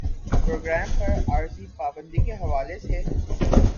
programme پر عارضی پابندی کے حوالے سے